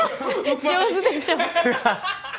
上手でしょ